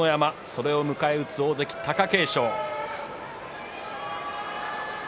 それを迎え撃つ大関貴景勝。